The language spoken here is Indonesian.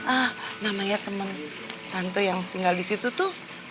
ah namanya teman tante yang tinggal di situ tuh